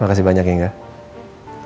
makasih banyak ya nggak